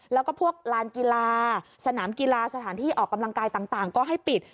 แล้วก็พวกลานกีฬาสนามกีฬาสถานที่ออกกำลังกายต่างก็ให้ปิด